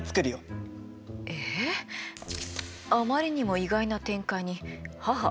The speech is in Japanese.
あまりにも意外な展開に母ビックリ。